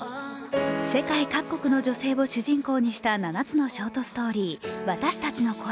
世界各国の女性を主人公にした７つのショートストーリー「私たちの声」。